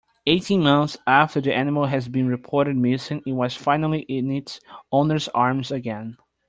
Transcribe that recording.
Eighteen months after the animal has been reported missing it was finally in its owner's arms again.